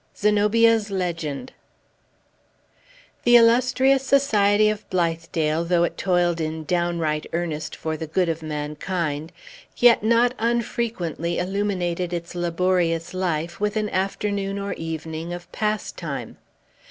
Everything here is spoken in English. ZENOBIA'S LEGEND The illustrious Society of Blithedale, though it toiled in downright earnest for the good of mankind, yet not unfrequently illuminated its laborious life with an afternoon or evening of pastime.